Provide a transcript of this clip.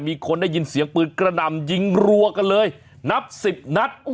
มีคนได้ยินเสียงปืนกระหน่ำยิงรัวกันเลยนับสิบนัด